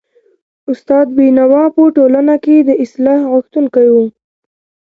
استاد بينوا په ټولنه کي د اصلاح غوښتونکی و.